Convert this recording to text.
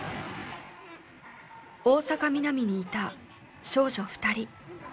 大阪・ミナミにいた少女２人。